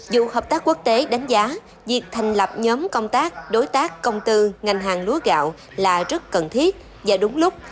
dù hợp tác quốc tế đánh giá việc thành lập nhóm công tác đối tác công tư ngành hàng lúa gạo là rất cần thiết và đúng lúc